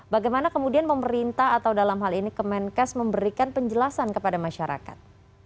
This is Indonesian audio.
bagaimana kemudian pemerintah atau dalam hal ini kemenkes memberikan penjelasan kepada masyarakat